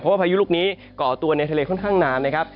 เพราะว่าพายุลูกนี้ก่อตัวในทะเลค่อนข้างนานนะครับ